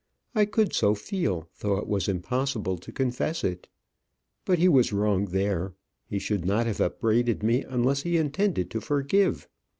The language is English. I could so feel, though it was impossible to confess it. But he was wrong there. He should not have upbraided me unless he intended to forgive.